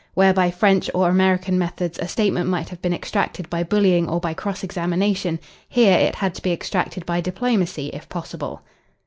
Where by French or American methods a statement might have been extracted by bullying or by cross examination, here it had to be extracted by diplomacy if possible.